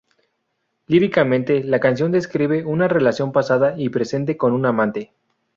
Líricamente, la canción describe una relación pasada y presente con un amante.